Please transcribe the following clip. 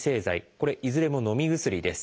これいずれものみ薬です。